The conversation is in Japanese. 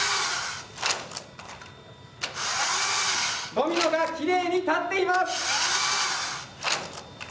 ドミノがきれいに立っています！